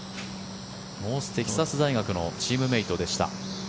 テキサス大学のチームメートでした。